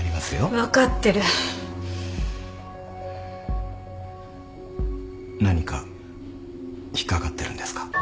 何か引っ掛かってるんですか？